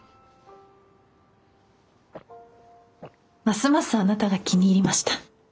ますますあなたが気に入りました。